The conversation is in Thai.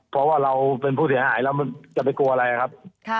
เพราะว่าเราเป็นผู้เสียหายเราจะไปกลัวอะไรครับ